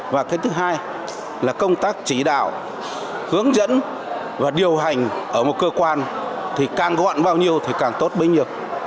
và cái thứ hai là công tác chỉ đạo hướng dẫn và điều hành ở một cơ quan thì càng gọn bao nhiêu thì càng tốt bấy nhiêu